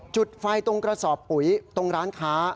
จุดไฟตรงกระสอบปุ๋ยตรงร้านค้า